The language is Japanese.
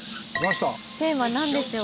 テーマ何でしょう？